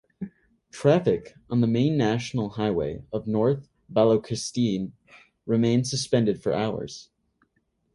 Traffic on the main national highway of North Balochistan remained suspended for hours.